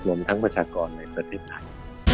รวมทั้งประชากรในประเทศไทย